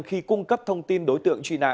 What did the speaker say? khi cung cấp thông tin đối tượng truy nã